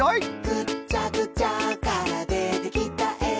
「ぐっちゃぐちゃからでてきたえ」